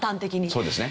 そうですね。